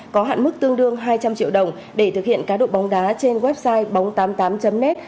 có hạn mức tương đương hai trăm linh triệu đồng để thực hiện cá độ bóng đá trên website bóng tám mươi tám m